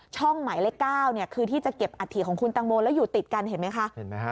ช่องหมายเลข๙คือที่จะเก็บอัตถิของคุณตังโมแล้วอยู่ติดกันเห็นไหมคะ